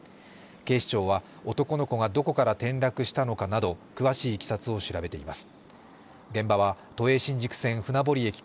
警視庁は男の子がどこから転落したのかなど詳しいいきさつを調べています。